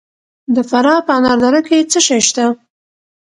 د فراه په انار دره کې څه شی شته؟